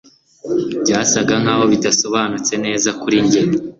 Byasaga naho bidasobanutse neza kuri njye